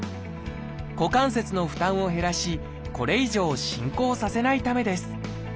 股関節の負担を減らしこれ以上進行させないためです。